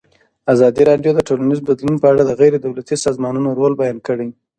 ازادي راډیو د ټولنیز بدلون په اړه د غیر دولتي سازمانونو رول بیان کړی.